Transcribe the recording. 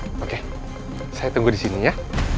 oke saya tunggu disini ya